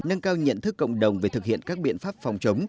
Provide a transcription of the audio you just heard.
nâng cao nhận thức cộng đồng về thực hiện các biện pháp phòng chống